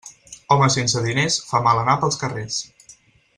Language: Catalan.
Home sense diners fa mal anar pels carrers.